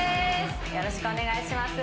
よろしくお願いします。